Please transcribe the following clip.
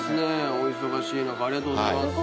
お忙しい中ありがとうございます。